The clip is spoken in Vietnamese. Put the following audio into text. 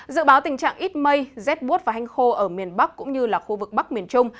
dự báo tình trạng ít mây rét bút và hanh khô ở miền bắc cũng như là khu vực bắc miền trung